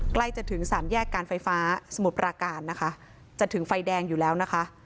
ใกล้จะถึงสามแยกการไฟฟ้าสมุทรปราการนะคะจะถึงไฟแดงอยู่แล้วนะคะ